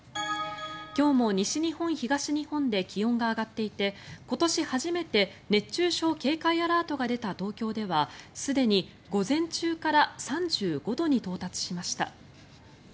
今日も西日本、東日本で気温が上がっていて今年初めて熱中症警戒アラートが出た東京ではすでに午前中から３５度に到達しました。